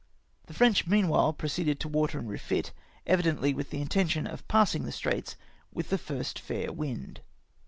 The French meanwhile proceeded to water and refit, evidently with the intention of passing the Straits with the first fair wind.